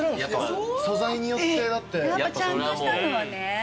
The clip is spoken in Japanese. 素材によってだって。ちゃんとしたのはね。